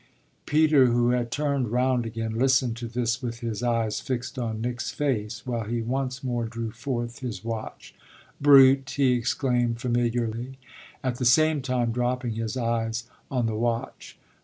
Peter, who had turned round again, listened to this with his eyes fixed on Nick's face while he once more drew forth his watch. "Brute!" he exclaimed familiarly, at the same time dropping his eyes on the watch.